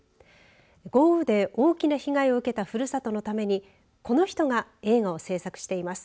豪雨で大きな被害を受けたふるさとのためにこの人が映画を製作しています。